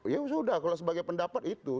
ya sudah kalau sebagai pendapat itu